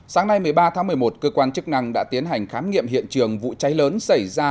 sáng nay một mươi ba tháng một mươi một cơ quan chức năng đã tiến hành khám nghiệm hiện trường vụ cháy lớn xảy ra